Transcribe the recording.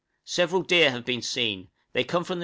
Several deer have been seen; they come from the N.